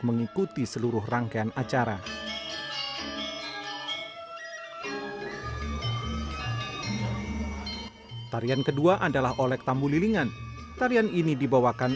mengikuti seluruh rangkaian acara tarian kedua adalah oleh tamu lilingan tarian ini dibawakan